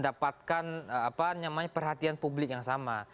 dan perhatian publik yang sama